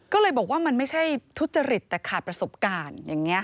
ก็เลยบอกว่ามันไม่ใช่ทุจริตแต่ขาดประสบการณ์อย่างนี้